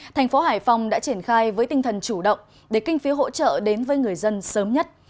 thành phố hải phòng đã triển khai với tinh thần chủ động để kinh phí hỗ trợ đến với người dân sớm nhất